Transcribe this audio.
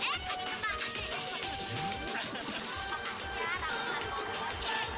pelintir apa pelintir eh